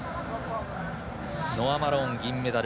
ノア・マローン、銀メダル。